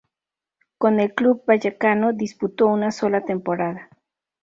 Con el club vallecano disputó una sola temporada.